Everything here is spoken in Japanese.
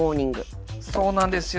そうなんですよ。